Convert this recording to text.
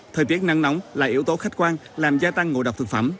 thời tiết nắng nóng là yếu tố khách quan làm gia tăng ngộ độc thực phẩm